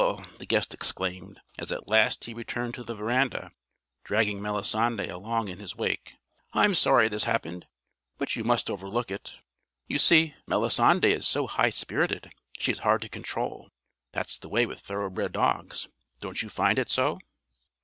the guest exclaimed as at last he returned to the veranda, dragging Melisande along in his wake. "I'm sorry this happened, but you must overlook it. You see, Melisande is so high spirited she is hard to control. That's the way with thoroughbred dogs. Don't you find it so?"